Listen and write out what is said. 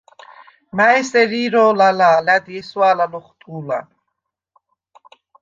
მა̈ჲ ესერ ირო̄ლ ალა̄, ლა̈დი ესვა̄ლა ლოხვტუ̄ლა: